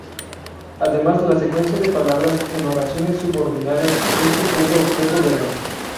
Además, la secuencia de palabras en oraciones subordinadas es Sujeto Objeto Verbo.